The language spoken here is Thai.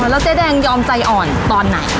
แล้วเจ๊แดงยอมใจอ่อนตอนไหน